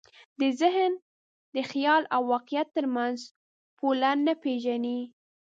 ذهن د خیال او واقعیت تر منځ پوله نه پېژني.